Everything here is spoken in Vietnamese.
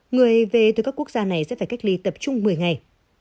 người về từ các quốc gia này sẽ phải cách ly tập trung một mươi ngày